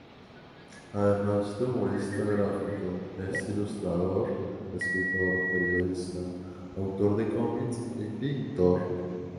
Además de humorista gráfico, es ilustrador, escritor, periodista, autor de cómics y pintor.